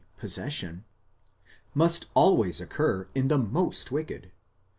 possession—must always occur in the most wicked.